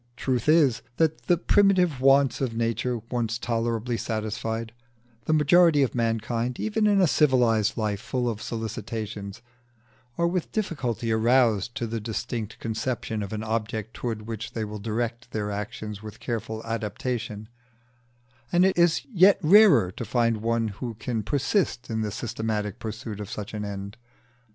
The truth is, that, the primitive wants of nature once tolerably satisfied, the majority of mankind, even in a civilised life full of solicitations, are with difficulty aroused to the distinct conception of an object towards which they will direct their actions with careful adaptation, and it is yet rarer to find one who can persist in the systematic pursuit of such an end.